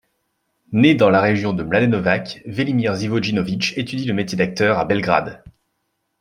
Né dans la région de Mladenovac, Velimir Živojinović étudie le métier d'acteur à Belgrade.